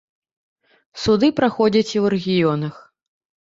Суды праходзяць і ў рэгіёнах.